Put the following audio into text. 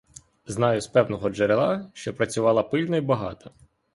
Знаю з певного джерела, що працювала пильно й багато.